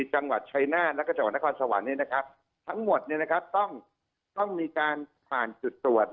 จังหวัดชัยนาธแล้วก็จังหวัดนครสวรรค์ทั้งหมดต้องมีการผ่านจุดตรวจ